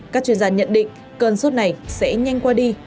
các chuyên gia nhận định cơn sốt này sẽ nhanh qua đi